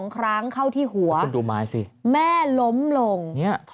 ๒ครั้งเข้าที่หัวแม่ล้มลง